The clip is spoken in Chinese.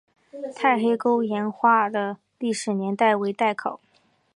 大黑沟岩画的历史年代为待考。